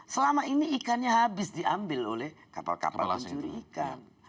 selama ini ikannya habis diambil oleh kapal kapal pencuri ikan